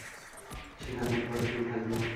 সেখানে এরপরে তুই থাকবি।